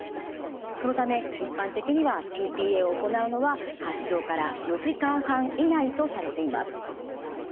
そのため一般的にはｔ−ＰＡを行うのは発症から４時間半以内とされています。